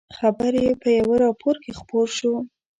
خبر یې په یوه راپور کې خپور شو.